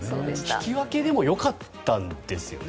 引き分けでも良かったんですよね。